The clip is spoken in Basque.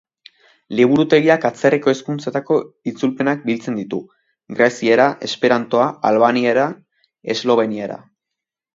Liburutegiak atzerriko hizkuntzetako itzulpenak biltzen ditu: greziera, esperantoa, albaniera, esloveniera.